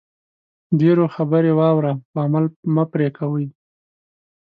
ډېرو خبرې واوره خو عمل مه پرې کوئ